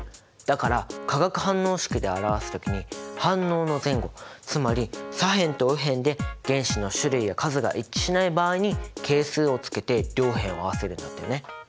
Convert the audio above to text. だから化学反応式で表す時に反応の前後つまり左辺と右辺で原子の種類や数が一致しない場合に係数をつけて両辺を合わせるんだったよね。